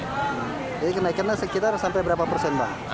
jadi kenaikannya sekitar sampai berapa persen pak